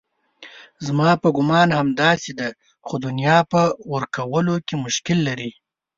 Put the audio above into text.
زما په ګومان همداسې ده خو دنیا په ورکولو کې مشکل لري.